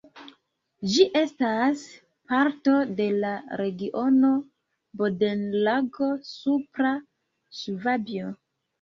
Ĝi estas parto de la regiono Bodenlago-Supra Ŝvabio.